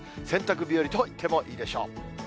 洗濯日和といってもいいでしょう。